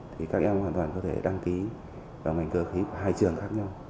thì các em hoàn toàn có thể đăng ký vào ngành cơ khí của hai trường khác nhau